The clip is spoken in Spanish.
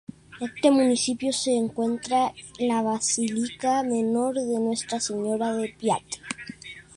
En este municipio se encuentra la Basílica Menor de Nuestra Señora de Piat.